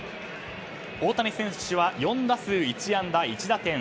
大谷選手は４打数１安打１打点。